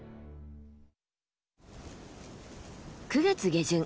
９月下旬。